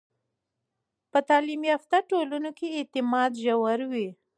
په تعلیم یافته ټولنو کې اعتماد ژور وي.